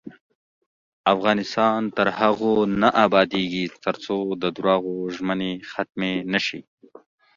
افغانستان تر هغو نه ابادیږي، ترڅو د درواغو ژمنې ختمې نشي.